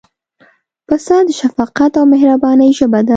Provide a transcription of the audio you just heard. پسه د شفقت او مهربانۍ ژبه ده.